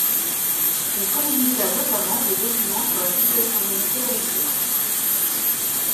Il communiqua notamment des documents sur la situation militaire des Turcs.